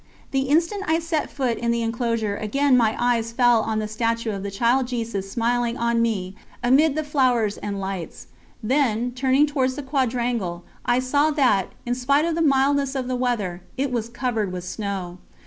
The instant I set foot in the enclosure again my eyes fell on the statue of the Child Jesus smiling on me amid the flowers and lights; then, turning towards the quadrangle, I saw that, in spite of the mildness of the weather, it was covered with snow.